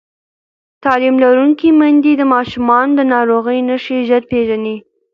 تعلیم لرونکې میندې د ماشومانو د ناروغۍ نښې ژر پېژني